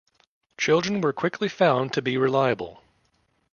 Children were quickly found to be reliable.